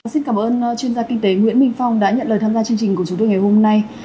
xin cảm ơn chuyên gia kinh tế nguyễn minh phong đã nhận lời tham gia chương trình của chúng tôi ngày hôm nay